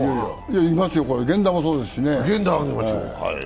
いますよ、源田もそうですしね。